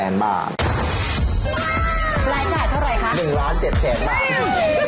นับจ่ายเท่าไหร่คะ๑๗๐๐๐๐๐บาท